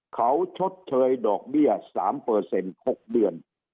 เขาชดเชยดอกเบี้ย๓๖เดือน